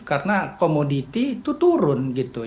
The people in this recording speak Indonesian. karena komoditi itu turun